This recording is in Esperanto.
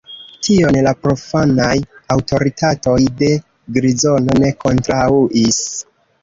Tion la profanaj aŭtoritatoj de Grizono ne kontraŭis.